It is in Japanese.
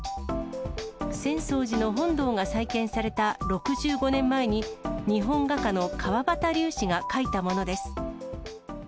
浅草寺の本堂が再建された６５年前に、日本画家の川端龍子が描いたものです。